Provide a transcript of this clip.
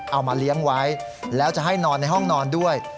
เอามาเลี้ยงไว้แล้วจะให้นอนในห้องนอนด้วย